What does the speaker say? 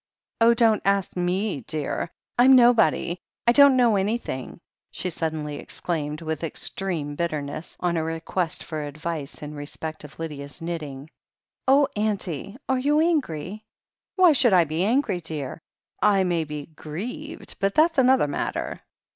"Oh, don't ask me, dear. I'm nobody. / don't know anything," she suddenly exclaimed with extreme bit terness, on a request for advice in respect of Lydia's knitting. "Oh, auntie ! are you angry ?" "Why should I be angry, dear? I may be grieved, but that's another matter."